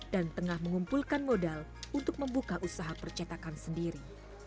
dan tengah mengumpulkan modal untuk membuka usaha percetakan sendiri